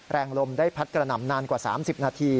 แรงลมได้พัดกระหน่ำนานกว่า๓๐นาที